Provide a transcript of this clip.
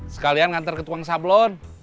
sekalian ngantar ke tukang sablon